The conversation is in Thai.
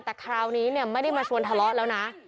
แต่คราวนี้เนี่ยไม่ได้มาชวนทะเลาะแล้วนะ